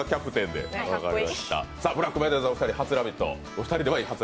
ブラックマヨネーズのお二人、初「ラヴィット！」。